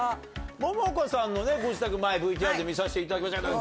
モモコさんのご自宅前ＶＴＲで見させていただきましたけど。